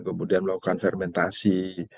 kemudian melakukan fermentasi